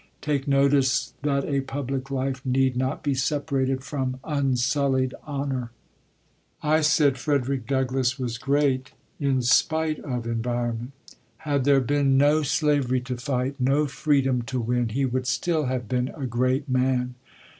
Take notice that a public life need not be separated from unsullied honor. I said Frederick Douglass was great in spite of environment. Had there been no slavery to fight, no freedom to win, he would still have been a great man.